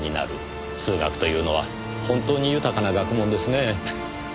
数学というのは本当に豊かな学問ですねぇ。